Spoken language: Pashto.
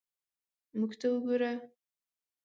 موږ ته وګوره.